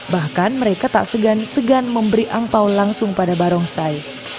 bahkan mereka tak segan segan memberi angpau langsung pada barongsai